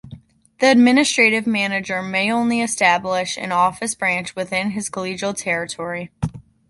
The administrative manager may only establish an office-branch within his collegial territory.